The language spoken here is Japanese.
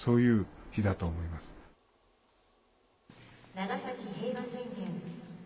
長崎平和宣言。